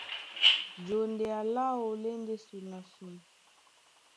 Jondea láō lá e ndé son na son.